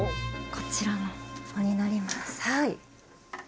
こちらの子になります。